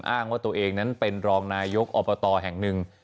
อ้างว่าตัวเองนั้นเป็นรองนายกอบตแห่งหนึ่ง